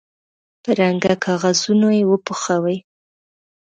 په رنګه کاغذونو یې وپوښوئ.